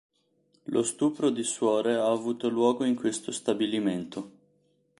Lo stupro di suore ha avuto luogo in questo stabilimento.